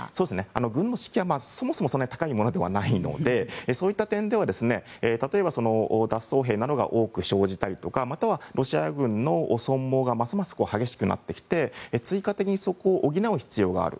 軍の士気はそもそもそんなに高いものではないのでそういった点では例えば、脱走兵などが多く生じたりとかまたはロシア軍の損耗がますます激しくなってきて追加的に補う必要がある。